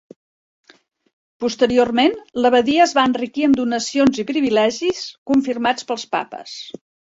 Posteriorment, l'abadia es va enriquir amb donacions i privilegis, confirmats pels papes.